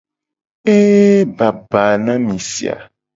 Eeeeee baba na mi si a.